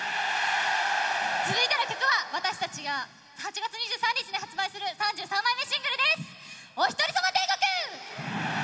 続いての曲は私たちが８月２３日に発売する３３枚目のシングルです、「おひとりさま天国」！